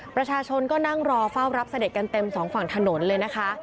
ประชาชนก็นั่งรอเฝ้ารับเสด็จกันเต็มสองฝั่งถนนเลยนะคะ